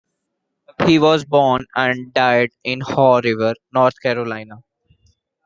He was born and died in Haw River, North Carolina.